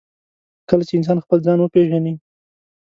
کله چې انسان خپل ځان وپېژني.